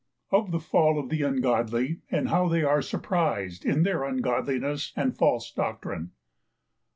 Of the Fall of the Ungodly, and how they are surprised in their Ungodliness and False Doctrine.